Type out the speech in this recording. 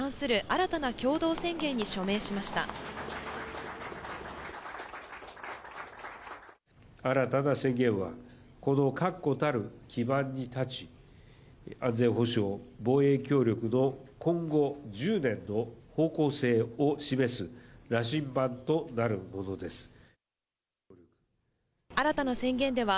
新たな宣言は、この確固たる基盤に立ち、安全保障、防衛協力の今後１０年の方向性を示す羅針盤となるものです。